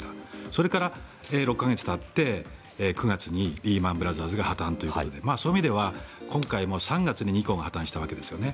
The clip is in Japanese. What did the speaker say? それから６か月たって、９月にリーマン・ブラザーズが破たんということで今回も３月に２行が破たんしたわけですよね。